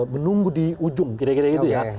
menunggu di ujung kira kira gitu ya